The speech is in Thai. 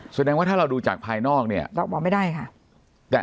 แสดงว่าถ้าเราดูจากภายนอกเนี่ยเราบอกไม่ได้ค่ะ